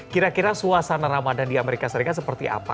kira kira suasana ramadan di amerika serikat seperti apa